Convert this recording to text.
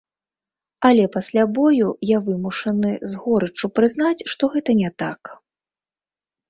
Але пасля бою я вымушаны з горыччу прызнаць, што гэта не так.